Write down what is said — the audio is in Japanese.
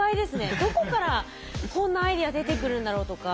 どこからこんなアイデア出てくるんだろうとか。